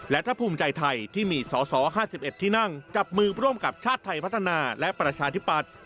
และถ้าภูมิใจไทยที่มีสอสอ๕๑ที่นั่งจับมือร่วมกับชาติไทยพัฒนาและประชาธิปัตย์